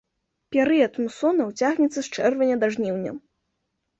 Перыяд мусонаў цягнецца з чэрвеня да жніўня.